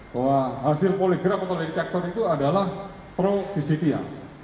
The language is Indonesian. bahwa hasil poligraf atau detektor itu adalah pro visitia